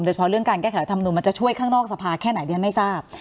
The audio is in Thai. เฉพาะเรื่องการแก้ไขรัฐธรรมนุนมันจะช่วยข้างนอกสภาแค่ไหนดิฉันไม่ทราบ